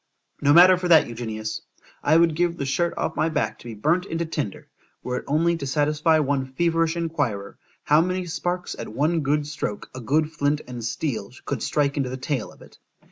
—— No matter for that, Eugenius; I would give the shirt off my back to be burnt into tinder, were it only to satisfy one feverish enquirer, how many sparks at one good stroke, a good flint and steel could strike into the tail of it.